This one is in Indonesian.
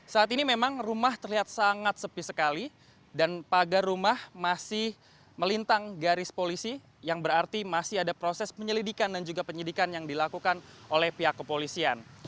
saat ini memang rumah terlihat sangat sepi sekali dan pagar rumah masih melintang garis polisi yang berarti masih ada proses penyelidikan dan juga penyidikan yang dilakukan oleh pihak kepolisian